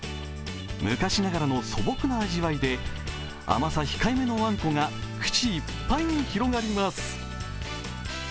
昔ながらの素朴な味わいで甘さ控えめのあんこが口いっぱいに広がります。